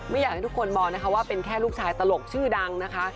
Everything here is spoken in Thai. อยากให้ทุกคนมองนะคะว่าเป็นแค่ลูกชายตลกชื่อดังนะคะ